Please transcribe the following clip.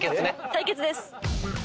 対決です。